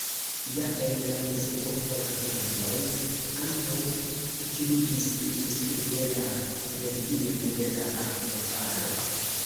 Ja en la mezepoko la homoj ankaŭ utiligis industrie la energion de la akvofalo.